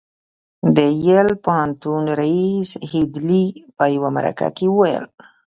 د يل پوهنتون رييس هيډلي په يوه مرکه کې وويل.